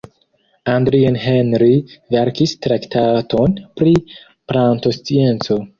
Adrien-Henri verkis traktaton pri plantoscienco.